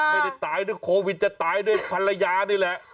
ไม่ได้ตายด้วยโควิดจะตายด้วยภรรยานี่แหละ